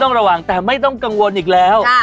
ต้องระวังไม่ต้องกังวลอีกแล้ว